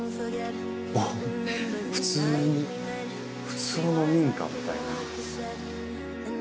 おぉ普通普通の民家みたいな。